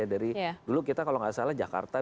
dari dulu kita kalau nggak salah jakarta